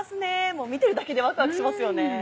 もう見てるだけでワクワクしますよね。